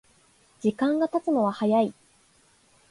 時間がたつのは早い